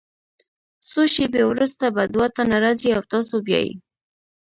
څو شیبې وروسته به دوه تنه راځي او تاسو بیایي.